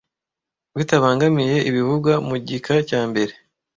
Bitabangamiye ibivugwa mu gika cya mbere